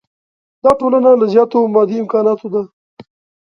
دا ټولنه له زیاتو مادي امکاناتو ده.